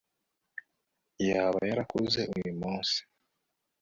yaba yarakuze uyu munsi